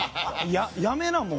やめな、もう。